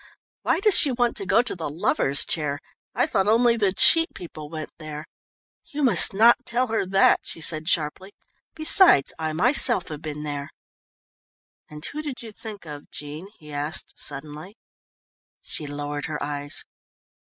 Why does she want to go to the Lovers' Chair? I thought only the cheap people went there " "You must not tell her that," she said sharply. "Besides, I myself have been there." "And who did you think of, Jean?" he asked suddenly. She lowered her eyes.